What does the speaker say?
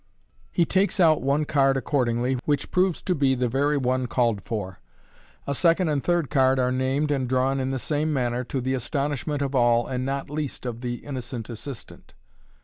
He takes out one card accordingly, which proves to be the very one called for. A second and third card are named and drawn in the same manner, to the astonishment of all, and not least of the innocent assistant.